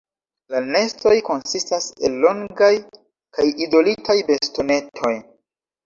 La nestoj konsistas el longaj kaj izolitaj bastonetoj.